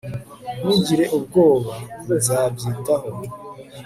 Ntugire ubwoba Nzabyitaho